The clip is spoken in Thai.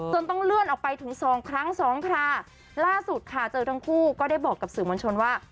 ต้องเลื่อนออกไปถึงสองครั้งสองคราล่าสุดค่ะเจอทั้งคู่ก็ได้บอกกับสื่อมวลชนว่า